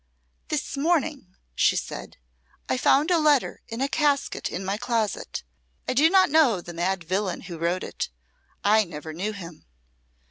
"This morning," she said, "I found a letter in a casket in my closet. I do not know the mad villain who wrote it. I never knew him."